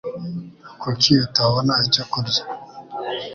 Kuki utabona icyo kurya